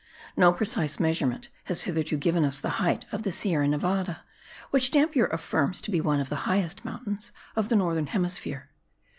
No precise measurement has hitherto given us the height of the Sierra Nevada, which Dampier affirms to be one of the highest mountains of the northern hemisphere.